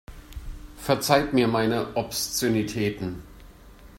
Verzeiht mir meine Obszönitäten.